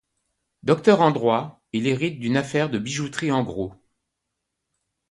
Docteur en droit, il hérite d'une affaire de bijouterie en gros.